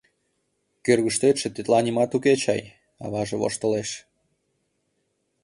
«Кӧргыштетше тетла нимат уке чай», — аваже воштылеш.